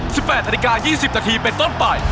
๑๘นาฬิกา๒๐นาทีเป็นตอนไป